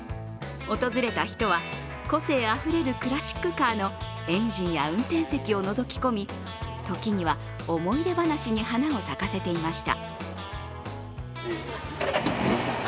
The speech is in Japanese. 訪れた人は個性あふれるクラシックカーの運転席をのぞき込み、時には思い出話に花を咲かせていました。